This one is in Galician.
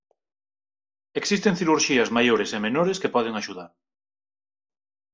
Existen cirurxías maiores e menores que poden axudar.